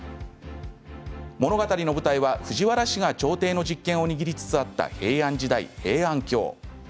物語の舞台は藤原氏が朝廷の実権を握りつつあった平安時代平安京。